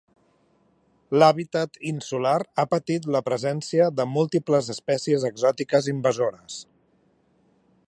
L'hàbitat insular ha patit la presència de múltiples espècies exòtiques invasores.